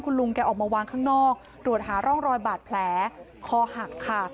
ลุงแกออกมาวางข้างนอกตรวจหาร่องรอยบาดแผลคอหักค่ะ